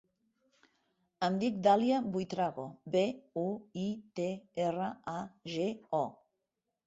Em dic Dàlia Buitrago: be, u, i, te, erra, a, ge, o.